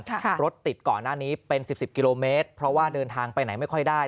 รถติดก่อนหน้านี้เป็นสิบสิบกิโลเมตรเพราะว่าเดินทางไปไหนไม่ค่อยได้